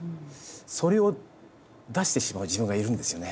それを出してしまう自分がいるんですよね。